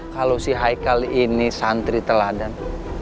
kalau si hai kali ini santri teladan